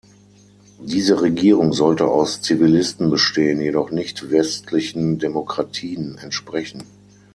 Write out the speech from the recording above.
Diese Regierung sollte aus Zivilisten bestehen, jedoch nicht westlichen Demokratien entsprechen.